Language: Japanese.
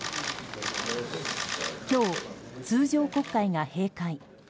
今日、通常国会が閉会。